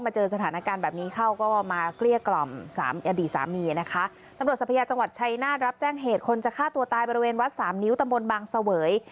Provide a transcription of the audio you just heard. ชัยนาฏรับแจ้งเหตุคนจะฆ่าตัวตายบริเวณวัด๓นิ้วตะบนบังเสว๋ย